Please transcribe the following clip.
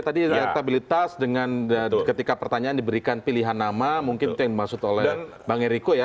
tadi elektabilitas dengan ketika pertanyaan diberikan pilihan nama mungkin itu yang dimaksud oleh bang eriko ya